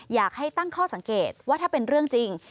อยากให้ตั้งข้อสังเกตว่าถ้าเป็นเรื่องจริง